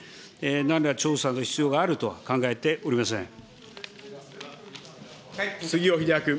なんら調査の必要があると考えて杉尾秀哉君。